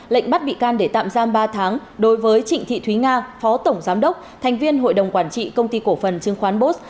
lệnh bắt bị can để tạm giam ba tháng đối với trịnh thị thúy nga phó tổng giám đốc thành viên hội đồng quản trị công ty cổ phần chứng khoán bos